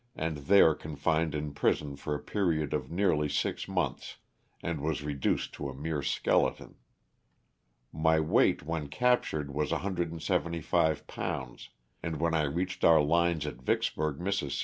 and there confined in prison for a period of nearly six months, and was reduced to a mere skeleton. My weight when cap tured was 175 pounds, and when I reached our lines at Vicksburg, Miss.